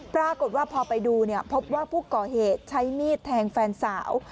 ปรากฏว่าพอไปดูพบว่าผู้ก่อเหตุใช้มีดแทงแฟนสาว